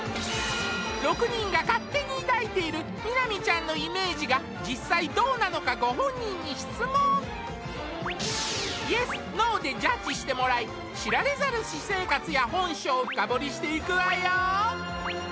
６人が勝手に抱いている美波ちゃんのイメージが実際どうなのかご本人に質問ＹＥＳＮＯでジャッジしてもらい知られざる私生活や本性を深掘りしていくわよ